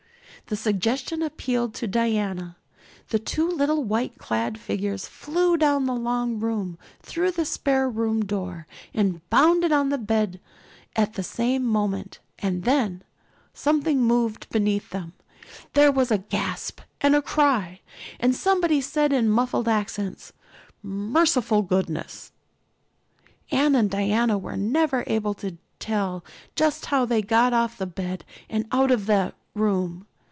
The suggestion appealed to Diana. The two little white clad figures flew down the long room, through the spare room door, and bounded on the bed at the same moment. And then something moved beneath them, there was a gasp and a cry and somebody said in muffled accents: "Merciful goodness!" Anne and Diana were never able to tell just how they got off that bed and out of the room.